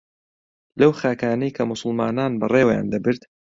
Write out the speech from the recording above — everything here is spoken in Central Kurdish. لەو خاکانەی کە موسڵمانان بەڕێوەیان دەبرد